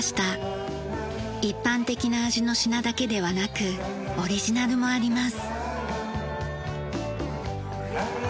一般的な味の品だけではなくオリジナルもあります。